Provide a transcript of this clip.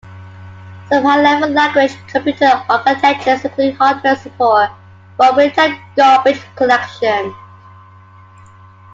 Some high-level language computer architectures include hardware support for real-time garbage collection.